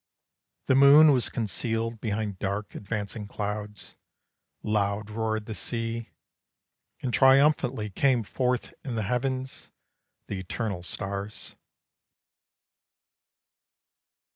The moon was concealed Behind dark advancing clouds. Loud roared the sea. And triumphantly came forth in the heavens The eternal stars.